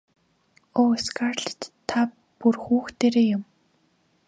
Өө Скарлетт та бүр хүүхдээрээ юм.